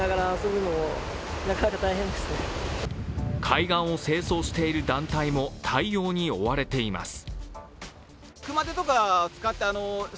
海岸を清掃している団体も対応に追われています。